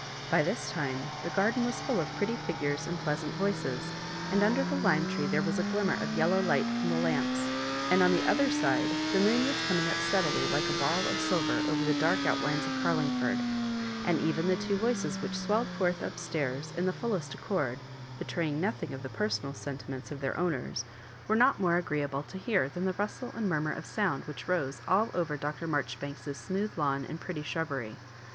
By this time the garden was full of pretty figures and pleasant voices, and under the lime tree there was a glimmer of yellow light from the lamps, and on the other side the moon was coming up steadily like a ball of silver over the dark outlines of Carlingford ; and even the two voices which swelled forth up stairs in the fullest accord, betraying nothing oi the personal senti ments of their owners, were not more agreeable to hear than the rustle and murmur of sound which rose all ov.er Dr. Marjoribanks's smooth lawn and pretty shrubbery.